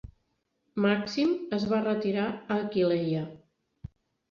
Màxim es va retirar a Aquileia.